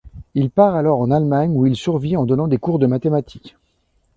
Il part alors en Allemagne où il survit en donnant des cours de mathématiques.